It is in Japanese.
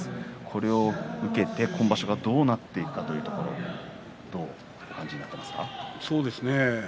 これを受けて今場所はどうなっていくか、というところどうお感じになっていますか？